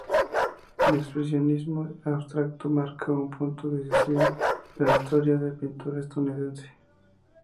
El expresionismo abstracto marca un punto decisivo de la historia de la pintura estadounidense.